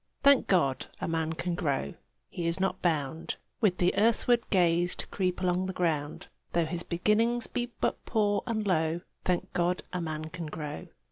Thank God, a man can grow! He is not bound With earthward gaze to creep along the ground: Though his beginnings be but poor and low, Thank God, a man can grow!